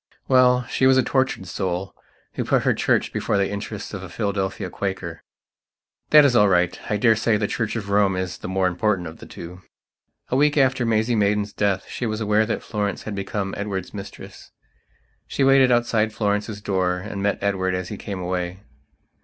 Well, she was a tortured soul who put her Church before the interests of a Philadelphia Quaker. That is all rightI daresay the Church of Rome is the more important of the two. A week after Maisie Maidan's death she was aware that Florence had become Edward's mistress. She waited outside Florence's door and met Edward as he came away.